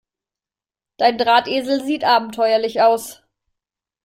Dein Drahtesel sieht abenteuerlich aus.